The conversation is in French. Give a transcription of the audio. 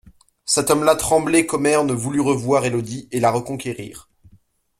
Cet homme-là tremblait qu'Omer ne voulût revoir Élodie, et la reconquérir.